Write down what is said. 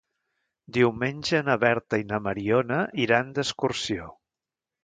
Diumenge na Berta i na Mariona iran d'excursió.